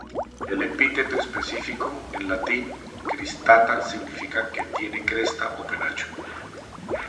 El epíteto específico, en latín, "cristata" significa "que tiene cresta o penacho".